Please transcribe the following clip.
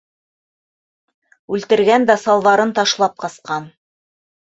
Үлтергән дә салбарын ташлап ҡасҡан!